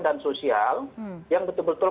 dan sosial yang betul betul